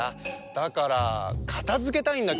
だからかたづけたいんだけど。